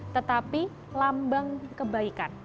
tetapi lambang kebaikan